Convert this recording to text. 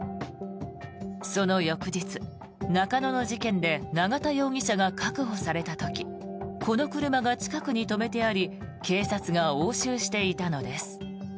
その翌日、中野の事件で永田容疑者が確保された時この車が近くに止めてあり警察が押収していたのです。